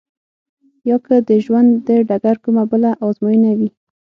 يا که د ژوند د ډګر کومه بله ازموينه وي.